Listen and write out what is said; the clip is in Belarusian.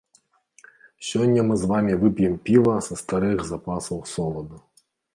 Сёння мы з вамі п'ем піва са старых запасаў соладу.